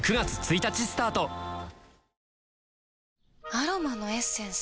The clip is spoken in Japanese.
アロマのエッセンス？